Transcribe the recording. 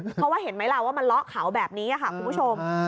เพราะว่าเห็นไหมล่ะว่ามันเลาะเขาแบบนี้ค่ะคุณผู้ชม